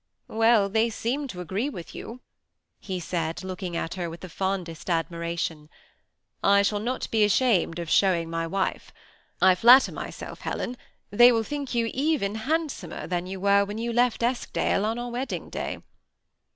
" Well, they seem to agree with you," he said, looking at her with the fondest admiration. "I shall not be ashamed of showing my wife. I flatter myself, Helen, they will think you even handsomer than you were when you leffc Eskdale, on our wedding day."